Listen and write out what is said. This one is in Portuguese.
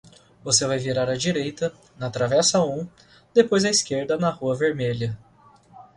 Você vai virar à direita, na Travessa um, depois à esquerda na Rua Vermelha.